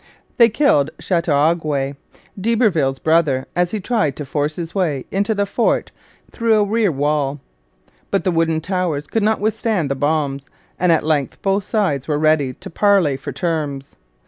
They killed Chateauguay, d'Iberville's brother, as he tried to force his way into the fort through a rear wall. But the wooden towers could not withstand the bombs, and at length both sides were ready to parley for terms.